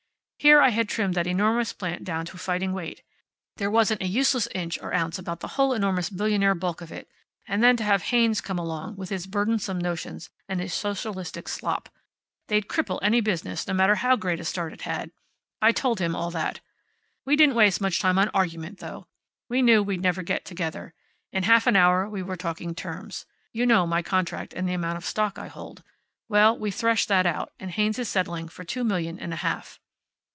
Here I had trimmed that enormous plant down to fighting weight. There wasn't a useless inch or ounce about the whole enormous billionaire bulk of it. And then to have Haynes come along, with his burdensome notions, and his socialistic slop. They'd cripple any business, no matter how great a start it had. I told him all that. We didn't waste much time on argument, though. We knew we'd never get together. In half an hour we were talking terms. You know my contract and the amount of stock I hold. Well, we threshed that out, and Haynes is settling for two million and a half."